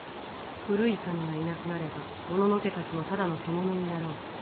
古い神がいなくなればもののけたちもただの獣になろう。